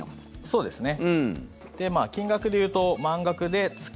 そうですね。